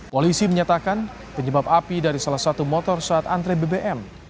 polisi menyatakan penyebab api dari salah satu motor saat antre bbm